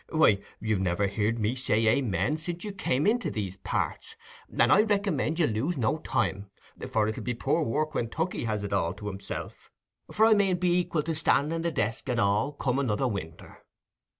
Why, you've never heared me say "Amen" since you come into these parts, and I recommend you to lose no time, for it'll be poor work when Tookey has it all to himself, for I mayn't be equil to stand i' the desk at all, come another winter."